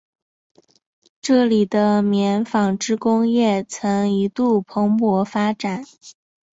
这里的棉纺织工业曾一度蓬勃发展。